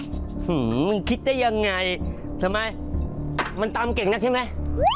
มึงคิดได้ยังไงทำไมมันตามเก่งนักใช่ไหม